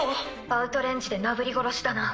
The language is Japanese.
アウトレンジでなぶり殺しだな。